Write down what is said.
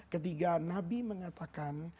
ketiga nabi mengatakan